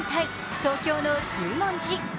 東京の十文字。